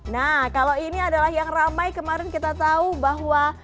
nah kalau ini adalah yang ramai kemarin kita tahu bahwa